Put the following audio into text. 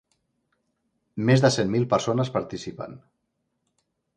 Més de cent mil persones participen.